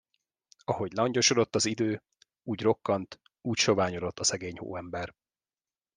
Ahogy langyosodott az idő, úgy rokkant, úgy soványodott a szegény hóember.